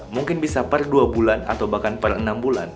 mungkin bisa per dua bulan atau bahkan per enam bulan